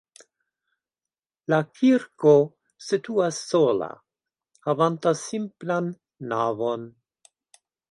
La kirko situas sola havanta simplan navon.